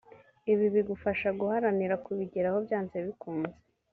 Ibi bigufasha guharanira kubigeraho byanze bikunze